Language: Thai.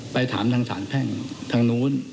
ไปถามทางสารแพ่งทางนู้น